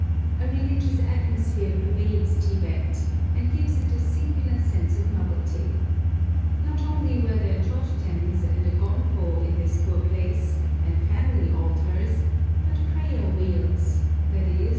A religious atmosphere pervades Tibet, and gives it a singular sense of novelty. Not only were there chod tens and a gonpo in this poor place, and family altars, but prayer wheels, i.e.